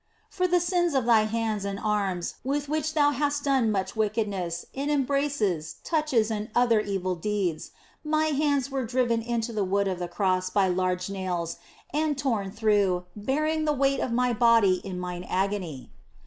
" For the sins of thy hands and arms, with which thou hast done much wickedness, in embraces, touches, and other evil deeds, My hands were driven into the wood of the Cross by large nails and torn through bearing the weight of My body in Mine agony.